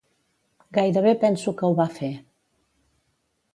Gairebé penso que ho va fer.